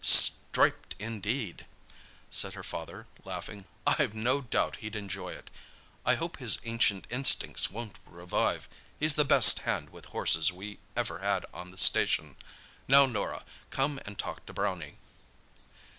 "Striped indeed!" said her father, laughing. "I've no doubt he'd enjoy it. I hope his ancient instincts won't revive—he's the best hand with horses we ever had on the station. Now, Norah, come and talk to Brownie."